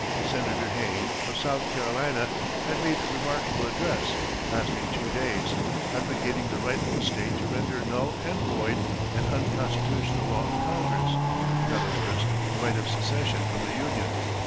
Senator Hayne, of South Carolina, had made a remarkable address, lasting two days, advocating the right of a state to render null and void an unconstitutional law of Congress in other words, the right of secession from the Union.